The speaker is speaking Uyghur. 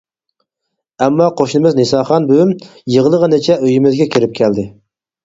ئەمما قوشنىمىز نىساخان بۈۋىم يىغلىغىنىچە ئۆيىمىزگە كىرىپ كەلدى.